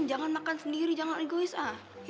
jangan makan sendiri jangan egoisa